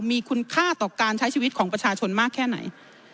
มีคุณค่าต่อการใช้ชีวิตของประชาชนมากแค่ไหน